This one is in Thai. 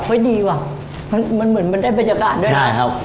ดีว่ะมันมันเหมือนมันได้บรรยากาศด้วยนะใช่ครับ